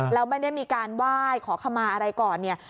แล้วไม่ได้มีการไหว้ขอขมาอะไรก่อนเนี่ย